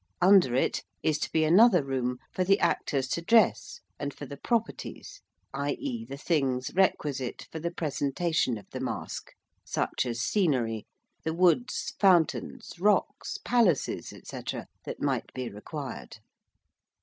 Under it is to be another room for the actors to dress and for the 'properties' i.e. the things requisite for the presentation of the Masque, such as scenery, the woods, fountains, rocks, palaces, &c. that might be required.